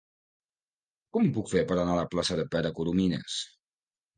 Com ho puc fer per anar a la plaça de Pere Coromines?